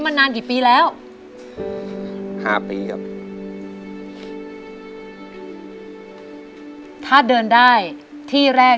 หมายความถึงความสุขขอบคุณครับ